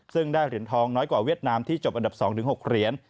ซึ่งได้เหรียญทองน้อยกว่าเวียดนามที่จบอันดับ๒๖เหรียญ